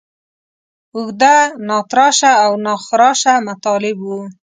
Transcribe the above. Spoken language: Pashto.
اوږده، ناتراشه او ناخراشه مطالب وو.